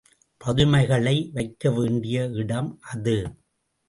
பதுமைகளை வைக்கவேண்டிய இடம் அது.